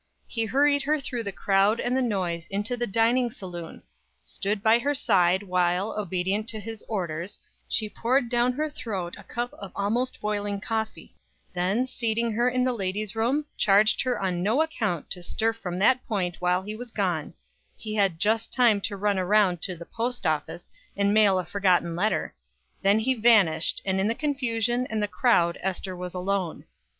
He hurried her through the crowd and the noise into the dining saloon; stood by her side while, obedient to his orders, she poured down her throat a cup of almost boiling coffee; then, seating her in the ladies' room charged her on no account to stir from that point while he was gone he had just time to run around to the post office, and mail a forgotten letter; then he vanished, and in the confusion and the crowd Ester was alone.